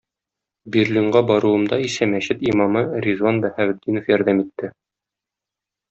Берлинга баруымда исә мәчет имамы Ризван Баһаветдинов ярдәм итте.